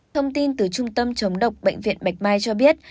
thông tin từ trung tâm chống độc bệnh viện bạch mai cho biết